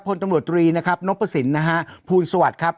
พลตำรวจตรีนะครับนกประสิทธิ์นะฮะภูมิสวัสดิ์ครับ